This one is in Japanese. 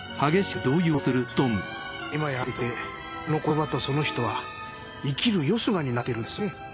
今やあなたにとってその言葉とその人は生きるよすがになっているんですね。